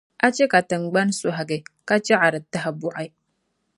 A chɛ ka tiŋgbani sɔhigi, ka chɛ ka di tahi bɔɣi.